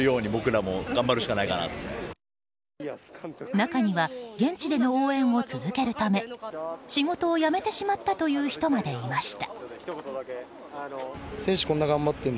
中には現地での応援を続けるため仕事を辞めてしまったという人までいました。